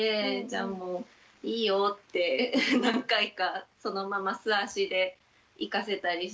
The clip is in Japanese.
じゃあもういいよって何回かそのまま素足で行かせたりしてました。